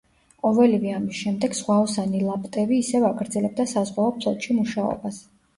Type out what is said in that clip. ყოველივე ამის შემდეგ ზღვაოსანი ლაპტევი ისევ აგრძელებდა საზღვაო ფლოტში მუშაობას.